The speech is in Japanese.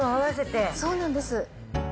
そうなんです。